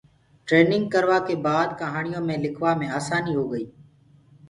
ٽرينگ ڪروآ ڪي باد ڪهانيونٚ مي لِکوآ مي آساني هوگئي۔